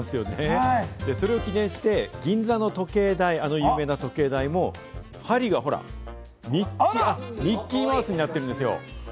それを記念しまして、あの銀座の有名な時計台も針がミッキーマウスになってるんですよ。